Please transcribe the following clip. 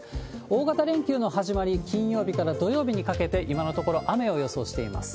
大型連休の始まり、金曜日から土曜日にかけて、今のところ雨を予想しています。